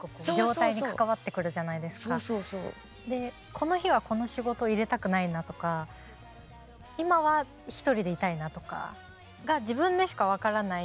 この日はこの仕事入れたくないなとか今はひとりでいたいなとかが自分でしか分からない